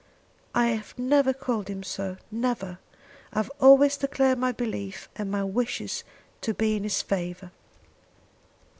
"I have never called him so; never. I have always declared my belief and my wishes to be in his favour."